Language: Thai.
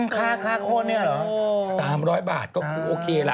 ค่าโค้งก็คือโอเคแหละ